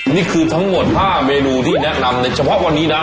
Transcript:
นี่คือทั้งหมด๕เมนูที่แนะนำในเฉพาะวันนี้นะ